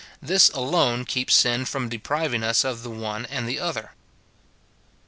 This alone keeps sin from depriving us of the one and the other.